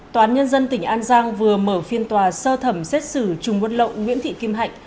tòa án nhân dân tỉnh an giang vừa mở phiên tòa sơ thẩm xét xử trùng quân lộng nguyễn thị kim hạnh